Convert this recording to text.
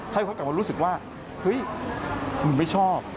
ให้เขากลับมารู้สึกว่าเฮ้ยมึงไม่ชอบ